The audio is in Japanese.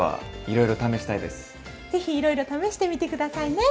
ぜひいろいろ試してみて下さいね。